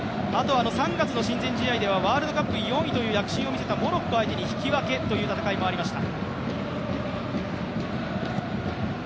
３月の親善試合ではワールドカップ４位という躍進を見せたモロッコ相手に引き分けという戦いもありました。